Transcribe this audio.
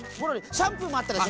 シャンプーもあったでしょ？